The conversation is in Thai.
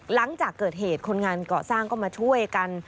หลังจากเกิดเหตุคนงานเกาะสร้างก็มาช่วยกัน